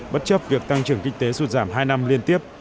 bất chấp việc tăng trưởng kinh tế sụt giảm hai năm liên tiếp